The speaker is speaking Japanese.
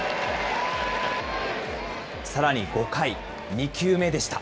さらに５回、２球目でした。